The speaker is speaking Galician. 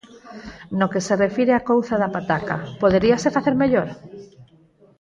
No que se refire á couza da pataca, ¿poderíase facer mellor?